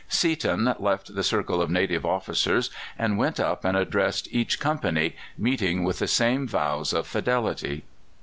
Seaton left the circle of native officers, and went up and addressed each company, meeting with the same vows of fidelity.